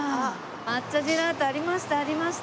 抹茶ジェラートありましたありました！